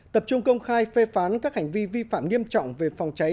tập trung công khai phê phán các hành vi vi phạm nghiêm trọng về phòng cháy